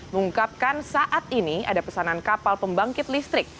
mengungkapkan saat ini ada pesanan kapal pembangkit listrik